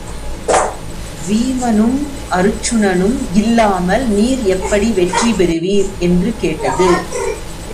வீமனும் அருச்சுனனும் இல்லாமல நீர் எப்படி வெற்றி பெறுவீர் என்று கேட்டது.